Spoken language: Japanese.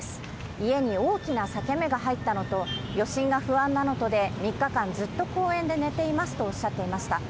家に大きな裂け目が入ったのと、余震が不安なのとで３日間、ずっと公園で寝ていますとおっしゃっていました。